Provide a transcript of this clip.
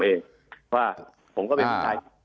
เพราะว่าผมก็เป็นผู้ชาย